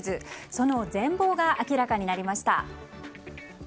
その全貌が明らかになりました。